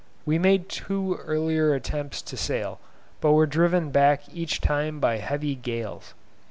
We made two earlier attempts to sail, but were driven back each time by heavy gales.